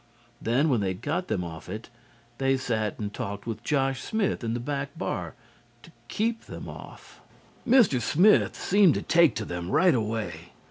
Then when they got them off it, they sat and talked with Josh Smith in the back bar to keep them off. Mr. Smith seemed to take to them right away.